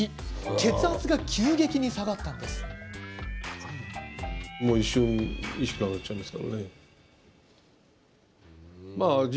血圧が急激に下がったというんです。